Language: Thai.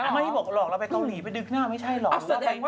ไม่บอกหรอกเราไปเกาหลีไปดึกหน้าไม่ใช่เหรอ